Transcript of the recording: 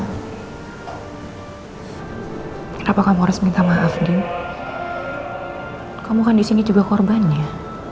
kenapa kamu harus minta maaf di kamu kan di sini juga korban ya